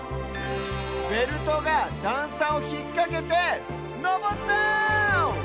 ベルトがだんさをひっかけてのぼった！